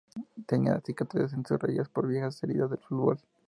Tenía cicatrices en sus rodillas por viejas heridas del fútbol.